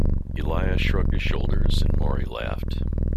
Elias shrugged his shoulders and Maury laughed.